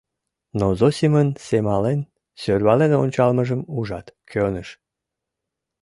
Но Зосимын семален, сӧрвален ончалмыжым ужат, кӧныш.